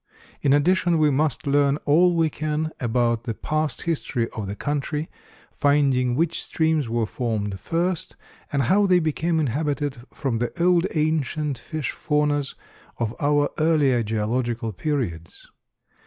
In addition we must learn all we can about the past history of the country, finding which streams were formed first, and how they became inhabited from the old ancient fish faunas of our earlier geological periods.